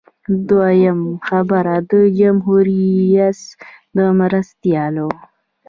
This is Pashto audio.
دویم خبر د جمهور رئیس د مرستیال و.